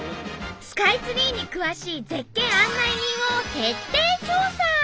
スカイツリーに詳しい絶景案内人を徹底調査。